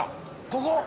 ここ？